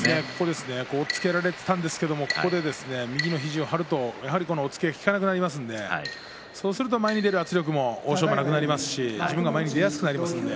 押っつけられていたんですけど、ここで右の肘を張るとやはり押っつけが効かなくなりますのでそうすると前に出る圧力も欧勝馬なくなりますし自分が前に出やすくなります。